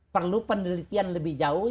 perlu penelitian lebih jauh